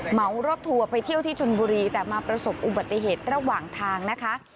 เหมารถทัวร์ไปเที่ยวที่ชนบุรีแต่มาประสบอุบัติเหตุระหว่างทางนะคะ